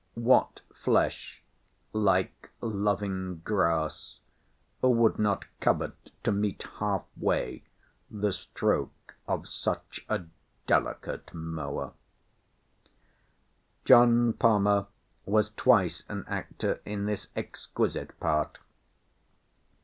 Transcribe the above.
What flesh, like loving grass, would not covet to meet half way the stroke of such a delicate mower?—John Palmer was twice an actor in this exquisite part.